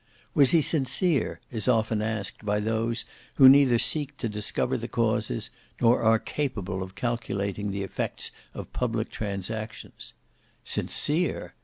Was he sincere, is often asked by those who neither seek to discover the causes nor are capable of calculating the effects of public transactions. Sincere!